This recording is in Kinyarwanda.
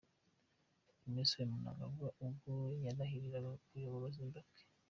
Emmerson Mnangagwa ubwo yarahiriraga kuyobora Zimbabwe.